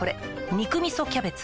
「肉みそキャベツ」